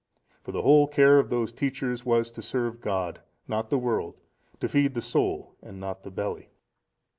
For the whole care of those teachers was to serve God, not the world—to feed the soul, and not the belly.